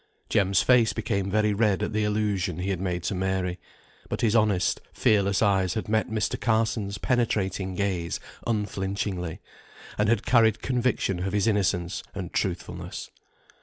Jem's face became very red at the allusion he made to Mary, but his honest, fearless eyes had met Mr. Carson's penetrating gaze unflinchingly, and had carried conviction of his innocence and truthfulness.